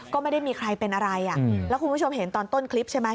ก็ไม่ได้มีใครเป็นอะไรอ่ะแล้วคุณผู้ชมเห็นตอนต้นคลิปใช่ไหม